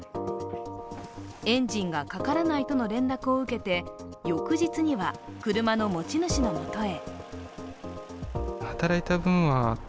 エンジンがかからないとの連絡を受けて、翌日には車の持ち主のもとへ。